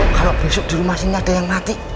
kalau besok di rumah sini ada yang mati